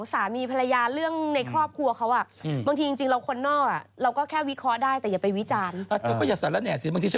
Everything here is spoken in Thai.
ถ้าผมเป็นตามแบบคุณแล้วผมเลิกคุณ